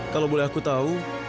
kalau boleh aku tahu